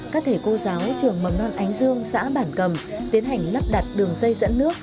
các thể cô giáo trường mầm non ánh dương xã bản cầm tiến hành lắp đặt đường dây dẫn nước